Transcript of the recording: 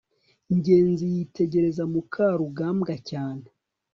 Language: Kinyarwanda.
ngenzi yitegereza mukarugambwa cyane